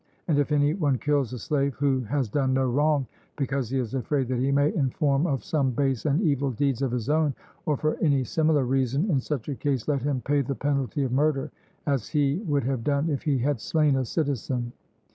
And if any one kills a slave who has done no wrong, because he is afraid that he may inform of some base and evil deeds of his own, or for any similar reason, in such a case let him pay the penalty of murder, as he would have done if he had slain a citizen.